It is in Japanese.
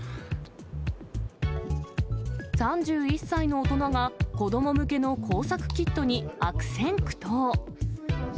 ３１歳の大人が、子ども向けの工作キットに悪戦苦闘。